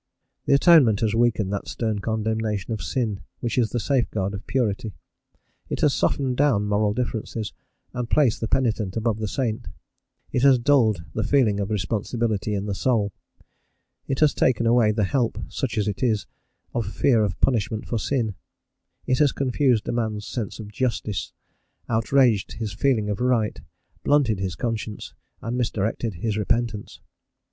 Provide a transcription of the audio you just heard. The Atonement has weakened that stern condemnation of sin which is the safeguard of purity; it has softened down moral differences, and placed the penitent above the saint; it has dulled the feeling of responsibility in the soul; it has taken away the help, such as it is, of fear of punishment for sin; it has confused man's sense of justice, outraged his feeling of right, blunted his conscience, and misdirected his repentance.